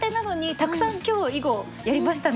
たくさん今日囲碁をやりましたね。